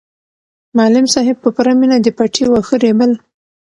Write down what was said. معلم صاحب په پوره مینه د پټي واښه رېبل.